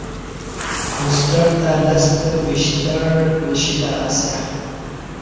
کوسٹر تہ لستہ وشتہعہ نیشی تہ اسیا